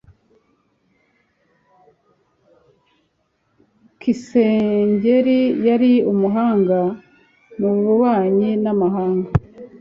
Kissinger yari umuhanga mububanyi n’amahanga.